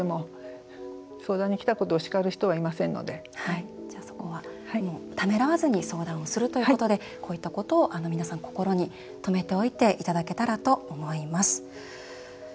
相談に来たことをそこはためらわずに相談をするということでこういったことを皆さん心に留めておいてもらったらと思います。